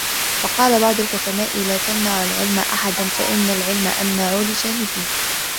وَقَالَ بَعْضُ الْحُكَمَاءِ لَا تَمْنَعُوا الْعِلْمَ أَحَدًا فَإِنَّ الْعِلْمَ أَمْنَعُ لِجَانِبِهِ